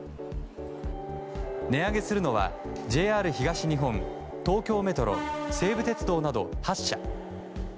値上げするのはＪＲ東日本東京メトロ、西武鉄道など８社。